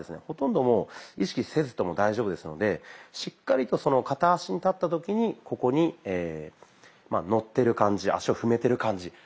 ほとんどもう意識せずとも大丈夫ですのでしっかりと片足に立った時にここにのってる感じ足を踏めてる感じ。